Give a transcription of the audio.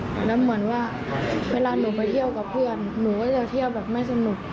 แล้วเหมือนว่าเวลาหนูไปเที่ยวกับเพื่อนหนูก็จะเที่ยวแบบไม่สนุก